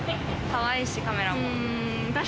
かわいいし、カメラも。